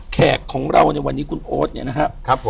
แขกของเราในวันนี้คุณโอ๊ตเนี่ยนะครับผม